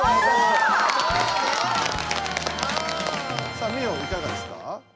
さあミオいかがですか？